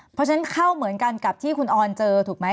เพราะฉะนั้นเข้าเหมือนกันกับที่คุณออนเจอถูกไหม